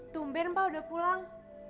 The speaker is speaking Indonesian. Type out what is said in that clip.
tumben pak udah pulang